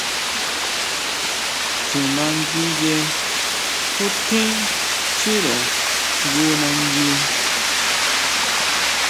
Chjunanguiye jú tjín chíre jngu nangui.